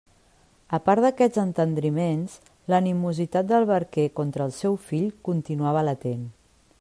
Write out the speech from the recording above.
A part d'aquests entendriments, l'animositat del barquer contra el seu fill continuava latent.